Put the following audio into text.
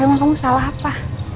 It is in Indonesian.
emang kamu salah apa